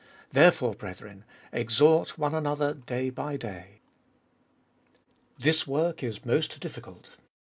There fore, brethren, exhort one another day by day. 1. This work is most difficult.